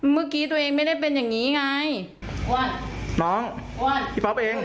เมื่อกี้ตัวเองไม่ได้เป็นอย่างนี้ไง